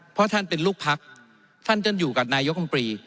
เพราะท่านเป็นลูกพักท่านท่านอยู่กับนายกรรมตรี